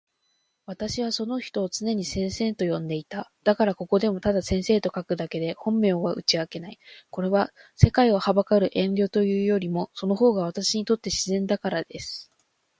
私はその人を常に先生と呼んでいた。だからここでもただ先生と書くだけで本名は打ち明けない。これは、世界を憚る遠慮というよりも、その方が私にとって自然だからです。